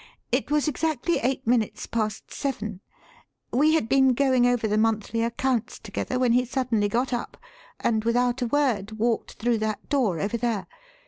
It was exactly eight minutes past seven. We had been going over the monthly accounts together, when he suddenly got up, and without a word walked through that door over there.